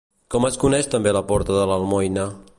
Com es coneix també la porta de l'Almoina?